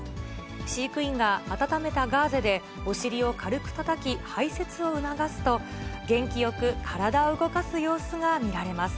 飼育員が温めたガーゼでお尻を軽くたたき、排せつを促すと、元気よく体を動かす様子が見られます。